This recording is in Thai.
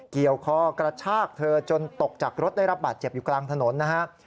เกี่ยวคอกระชากเธอจนตกจากรถได้รับบาดเจ็บอยู่กลางถนนนะฮะ